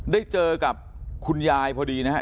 ได้เจอกับคุณยายพอดีนะครับ